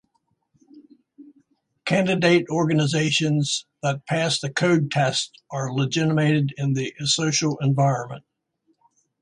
Candidate organizations that pass the code test are legitimated in the social environment.